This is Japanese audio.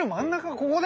ここで？